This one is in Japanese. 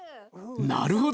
なるほど。